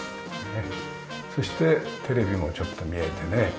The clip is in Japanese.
そしてテレビもちょっと見えてね。